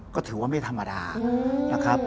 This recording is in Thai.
ก็ถือว่าไม่ธรรมดา